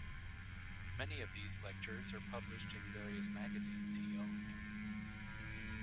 Many of these lectures are published in various magazines he owned.